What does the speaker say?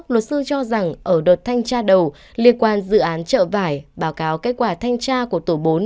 luật sư cho rằng ở đợt thanh tra đầu liên quan dự án chợ vải báo cáo kết quả thanh tra của tổ bốn